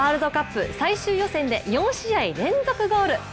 ワールドカップ最終予選で４試合連続ゴール。